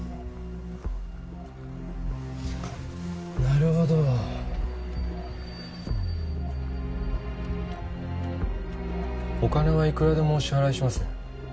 なるほどお金はいくらでもお支払いします